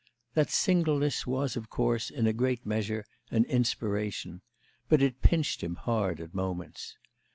That singleness was of course in a great measure an inspiration; but it pinched him hard at moments.